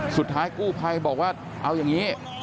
สุดท้ายกู้ภัยบอกว่าเอาอย่างนี้